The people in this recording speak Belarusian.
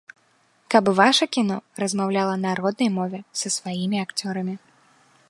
Каб ваша кіно размаўляла на роднай мове, са сваімі акцёрамі.